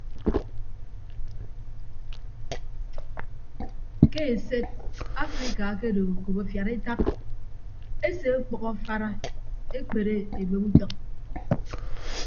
Ke esed afrika akedo okop afiad etap ese ọkpʌk afara ekpere edueb utọñ.